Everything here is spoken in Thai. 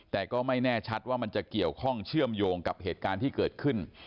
แต่ก็ไม่แน่ชัดว่ามันจะเกี่ยวข้องเชื่อมโยงกับเหตุการณ์ที่เกิดขึ้น